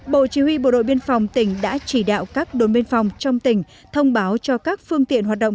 bộ chỉ huy bộ đội biên phòng tỉnh đã chỉ đạo các đồn biên phòng trong tỉnh thông báo cho các phương tiện hoạt động